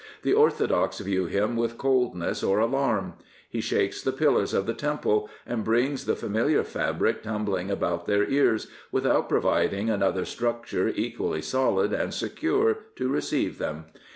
The orthodox view him with coldness or alarm. He shakes the pillars of the temple and brings the familiar fabric tumbling about their ears, without providing another stucture equally solid and secure to receive them.